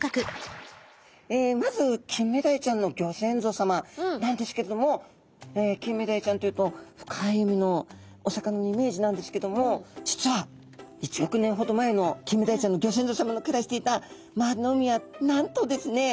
まずキンメダイちゃんのギョ先祖様なんですけれどもキンメダイちゃんというと深い海のお魚のイメージなんですけども実は１億年ほど前のキンメダイちゃんのギョ先祖様の暮らしていた周りの海はなんとですね